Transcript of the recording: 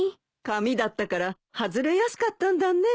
紙だったから外れやすかったんだね。